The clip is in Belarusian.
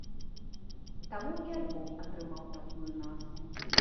Таму і альбом атрымаў такую назву.